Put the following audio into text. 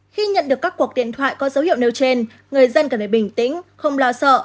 khi nhận được các cuộc điện thoại có dấu hiệu nêu trên người dân cần để bình tĩnh không lo sợ